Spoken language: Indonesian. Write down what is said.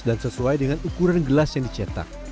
dan sesuai dengan ukuran gelas yang dicetak